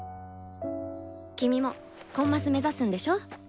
君もコンマス目指すんでしょう？